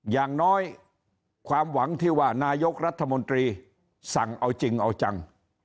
อย่างน้อยความหวังที่ว่านายกรัฐมนตรีสั่งเอาจริงเอาจัง